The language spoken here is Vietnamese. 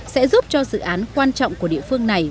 sẽ giúp cho dự án quan trọng của địa phương này